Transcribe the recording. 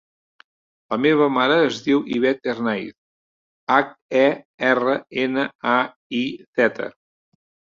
La meva mare es diu Ivette Hernaiz: hac, e, erra, ena, a, i, zeta.